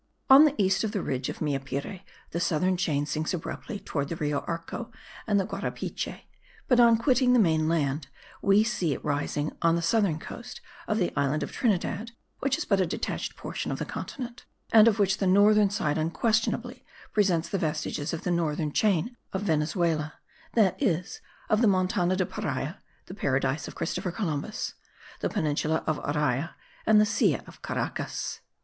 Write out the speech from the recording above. On the east of the ridge of Meapire the southern chain sinks abruptly towards the Rio Arco and the Guarapiche; but, on quitting the main land, we again see it rising on the southern coast of the island of Trinidad which is but a detached portion of the continent, and of which the northern side unquestionably presents the vestiges of the northern chain of Venezuela, that is, of the Montana de Paria (the Paradise of Christopher Columbus), the peninsula of Araya and the Silla of Caracas.